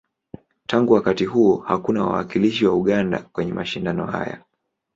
Tangu wakati huo, hakuna wawakilishi wa Uganda kwenye mashindano haya.